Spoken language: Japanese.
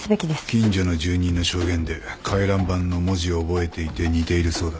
近所の住人の証言で回覧板の文字を覚えていて似ているそうだ。